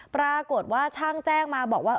ปรากฏว่าช่างแจ้งมาบอกว่า